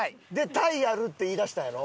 タイやるって言いだしたんやろ？